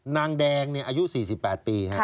นางแดงอายุ๔๘ปี